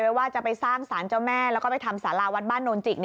ว่าจะไปสร้างสารเจ้าแม่แล้วก็ไปทำสาราวัดบ้านโนนจิก